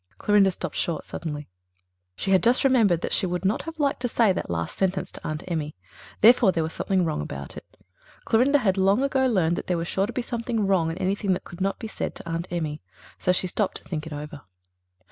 Clorinda stopped short suddenly. She had just remembered that she would not have liked to say that last sentence to Aunt Emmy. Therefore, there was something wrong about it. Clorinda had long ago learned that there was sure to be something wrong in anything that could not be said to Aunt Emmy. So she stopped to think it over.